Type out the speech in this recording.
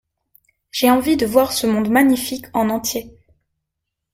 J’ai envie de voir ce monde magnifique en entier.